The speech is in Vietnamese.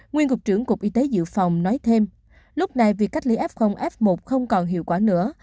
nguyên cục trưởng cục y tế dự phòng nói thêm lúc này việc cách ly f f một không còn hiệu quả nữa